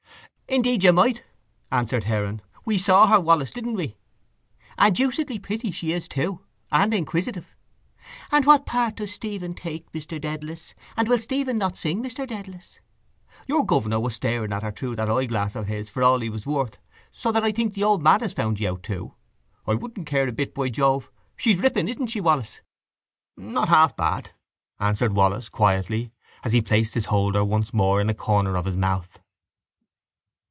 —Indeed you might, answered Heron. We saw her, Wallis, didn't we? And deucedly pretty she is too. And inquisitive! And what part does Stephen take, Mr Dedalus? And will Stephen not sing, Mr Dedalus? Your governor was staring at her through that eyeglass of his for all he was worth so that I think the old man has found you out too. I wouldn't care a bit, by Jove. She's ripping, isn't she, Wallis? —Not half bad, answered Wallis quietly as he placed his holder once more in a corner of his mouth.